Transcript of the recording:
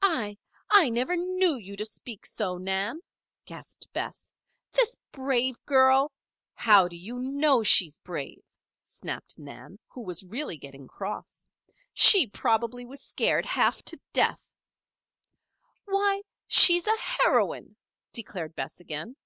"I I never knew you to speak so, Nan," gasped Bess. "This brave girl " "How do you know she's brave?" snapped Nan, who was really getting cross. "She probably was scared half to death." "Why! she's a heroine," declared Bess again.